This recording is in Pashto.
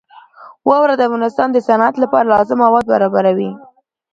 واوره د افغانستان د صنعت لپاره لازم مواد برابروي.